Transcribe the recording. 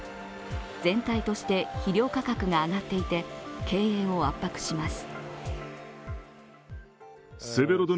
全体として肥料価格が上がっていて経営を圧迫します。